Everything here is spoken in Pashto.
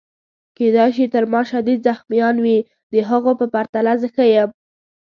کیدای شي تر ما شدید زخمیان وي، د هغو په پرتله زه ښه یم.